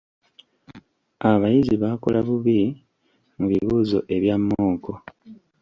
Abayizi baakola bubi mu bibuuzo ebya mmooko.